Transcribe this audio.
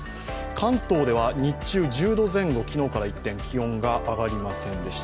関東では日中１０度前後、昨日から一転気温が上がりませんでした。